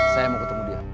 saya mau ketemu dia